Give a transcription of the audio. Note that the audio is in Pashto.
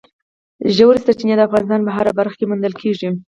ژورې سرچینې د افغانستان په هره برخه کې موندل کېږي.